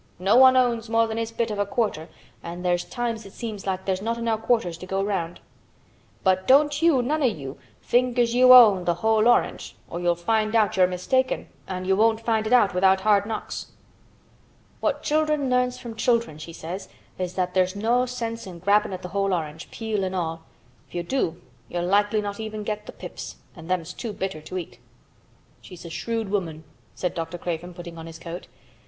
No one owns more than his bit of a quarter an' there's times it seems like there's not enow quarters to go round. But don't you—none o' you—think as you own th' whole orange or you'll find out you're mistaken, an' you won't find it out without hard knocks." 'What children learns from children,' she says, 'is that there's no sense in grabbin' at th' whole orange—peel an' all. If you do you'll likely not get even th' pips, an' them's too bitter to eat.'" "She's a shrewd woman," said Dr. Craven, putting on his coat.